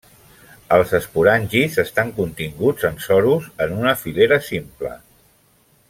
Els esporangis estan continguts en sorus en una filera simple.